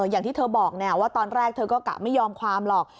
อย่างที่เธอบอกว่าตอนแรกเธอก็กะไม่ยอมความหรอก